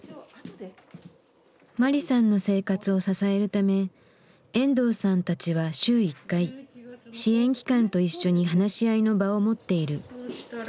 マリさんの生活を支えるため遠藤さんたちは週１回支援機関と一緒に話し合いの場を持っている。